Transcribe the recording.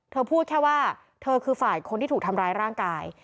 พูดแค่ว่าเธอคือฝ่ายคนที่ถูกทำร้ายร่างกาย